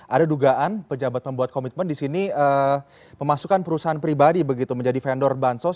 ada dugaan pejabat membuat komitmen di sini memasukkan perusahaan pribadi begitu menjadi vendor bansos